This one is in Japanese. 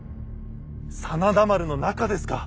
真田丸の中ですか。